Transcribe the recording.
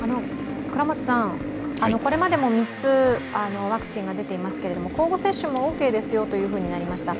これまでも３つ、ワクチンが出ていますけれども交互接種もオーケーですよということになりました。